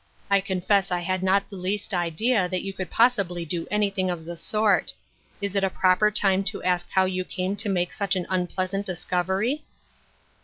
" I confess I had not the least idea that you could possibly do anything of the sort. Is it a proper time to ask how you came to make such an un pleasant discovery